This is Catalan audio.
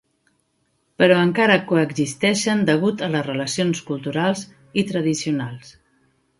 Però encara coexisteixen degut a les relacions culturals i tradicionals.